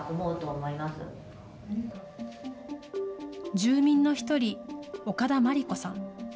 住民の１人、岡田真理子さん。